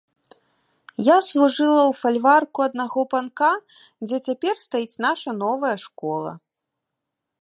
Я служыла ў фальварку аднаго панка, дзе цяпер стаіць наша новая школа.